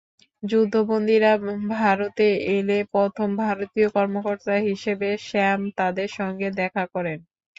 যুদ্ধবন্দীরা ভারতে এলে প্রথম ভারতীয় কর্মকর্তা হিসেবে স্যাম তাদের সঙ্গে দেখা করেন।